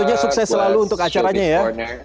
tentunya sukses selalu untuk acaranya ya